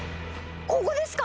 ここですか？